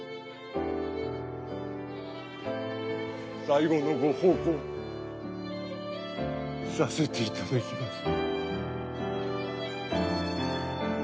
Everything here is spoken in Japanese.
最後のご奉公させていただきます。